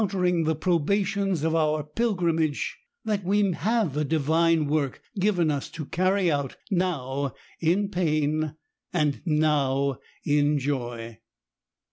tering the probations of our pilgrimage^ — that we have a divine work given us to carry out, now in pain and now in joy.